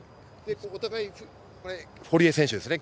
堀江選手ですね。